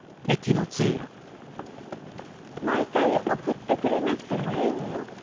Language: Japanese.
毎回送ってくれなくてもいいのよ？